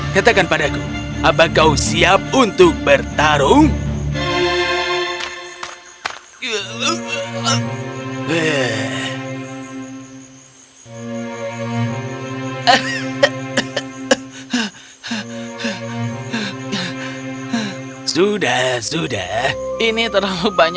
katakan padaku apakah kau siap untuk bertarung